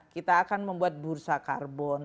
kita akan membuat bursa karbon